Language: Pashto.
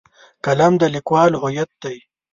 قلم د لیکوال هویت دی.